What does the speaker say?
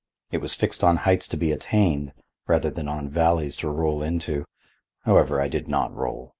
It was fixed on heights to be attained rather than on valleys to roll into. However, I did not roll.